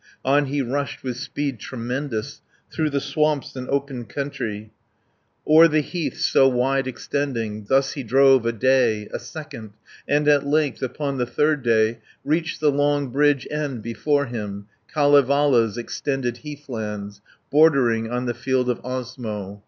On he rushed with speed tremendous, Through the swamps and open country, O'er the heaths, so wide extending. Thus he drove a day, a second, And at length, upon the third day, Reached the long bridge end before him Kalevala's extended heathlands, Bordering on the field of Osmo.